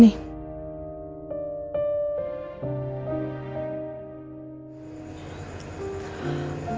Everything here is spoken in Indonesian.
meskipun statusnya elsa sudah bersuami